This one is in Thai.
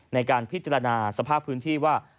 ในการพิจารณาสภาพพื้นที่ว่า